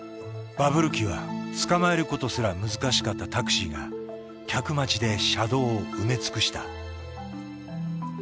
バブル期はつかまえることすら難しかったタクシーが客待ちで車道を埋め尽くした。